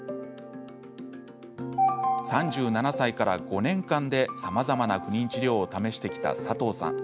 ３７歳から５年間でさまざまな不妊治療を試してきた佐藤さん。